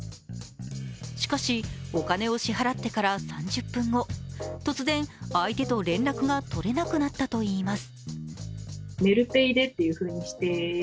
しかし、お金を支払ってから３０分後突然相手と連絡がとれなくなったといいます。